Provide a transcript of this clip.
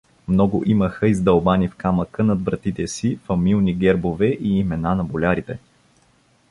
Много имаха издълбани в камъка над вратите си фамилни гербове и имена на болярите.